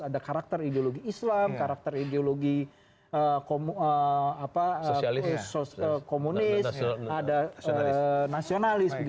ada karakter ideologi islam karakter ideologi komunis ada nasionalis